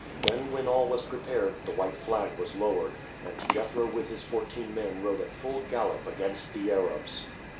Then when all was prepared the white flag was lowered, and Jethro with his fourteen men rode at full gallop against the Arabs.